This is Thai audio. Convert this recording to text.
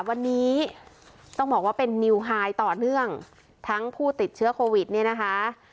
วันนี้ต้องบอกว่าเป็นนิวไฮต่อเนื่องทั้งผู้ติดเชื้อโควิดเนี่ยนะคะ